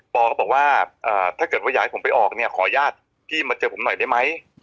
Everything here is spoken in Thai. อก็บอกว่าถ้าเกิดว่าอยากให้ผมไปออกเนี่ยขออนุญาตพี่มาเจอผมหน่อยได้ไหม